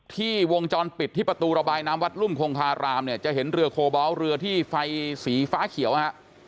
วงจรปิดที่ประตูระบายน้ำวัดรุ่มคงคารามเนี่ยจะเห็นเรือโคบอลเรือที่ไฟสีฟ้าเขียวฮะ